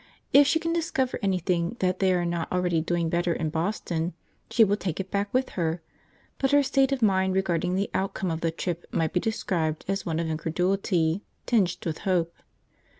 If she can discover anything that they are not already doing better in Boston, she will take it back with her, but her state of mind regarding the outcome of the trip might be described as one of incredulity tinged with hope.